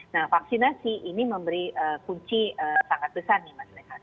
nah vaksinasi ini memberi kunci sangat besar nih mas rehat